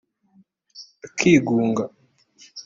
akigunga